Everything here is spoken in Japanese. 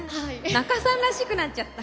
仲さんらしくなっちゃった。